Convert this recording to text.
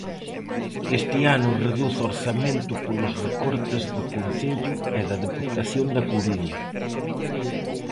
Este ano reduce orzamento polos recortes do concello e da Deputación da Coruña.